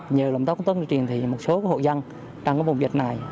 nhờ lòng tóc tốt truyền thì một số hậu dân đang có vùng dịch này